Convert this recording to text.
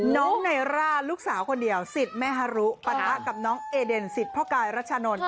น้องไนร่าลูกสาวคนเดียวสิทธิ์แม่ฮารุปะทะกับน้องเอเดนสิทธิ์พ่อกายรัชานนท์